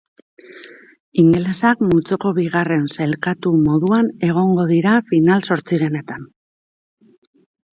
Ingelesak multzoko bigarren sailkatu moduan egongo dira final-zortzirenetan.